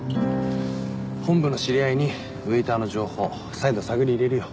本部の知り合いにウエーターの情報再度探り入れるよ。